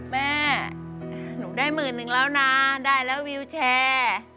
แม่หนูได้หมื่นนึงแล้วนะได้แล้ววิวแชร์